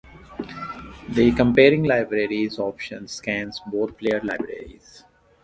The "Comparing Libraries" option scans both players' libraries.